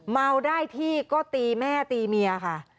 เมาได้ที่ก็ตีแม่ตีเมียค่ะ